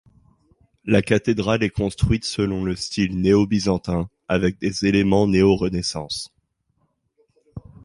La cathédrale est construite selon le style néo-byzantin, avec des éléments néo-Renaissance.